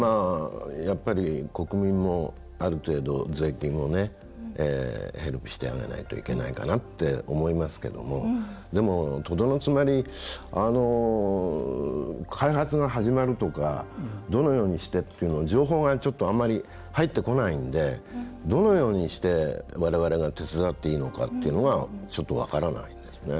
国民もある程度税金をヘルプしてあげないといけないかなって思いますけどもでも、とどのつまり開発が始まるとかどのようにしてっていうのを情報がちょっとあんまり入ってこないんでどのようにして、われわれが手伝っていいのかっていうのがちょっと分からないんですね。